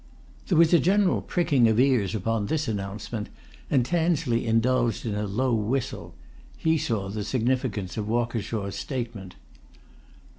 There was a general pricking of ears upon this announcement, and Tansley indulged in a low whistle: he saw the significance of Walkershaw's statement.